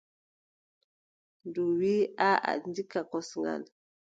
Ndu wiiʼa: aaʼa ndikka kosngal.